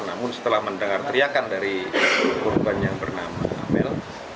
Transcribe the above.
namun setelah mendengar teriakan dari korban yang bernama amel